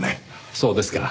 そうですか。